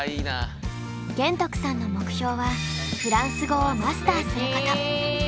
玄徳さんの目標はフランス語をマスターすること。